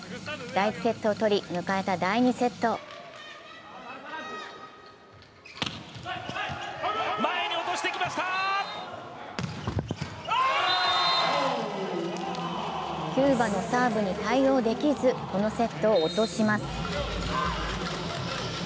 第１セットを取り、迎えた第２セットキューバのサーブに対応できず、このセットを落とします。